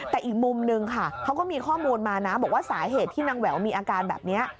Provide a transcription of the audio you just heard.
แต่อีกมุมนึงค่ะเขาก็มีข้อมูลมานะบอกว่าสาเหตุที่นางแหววมีอาการแบบนี้